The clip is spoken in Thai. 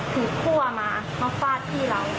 ถือคั่วมามาฟาดที่เรา